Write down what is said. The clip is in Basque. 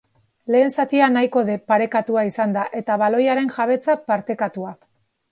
Lehen zatia nahiko parekatua izan da, eta baloiaren jabetza, partekatua.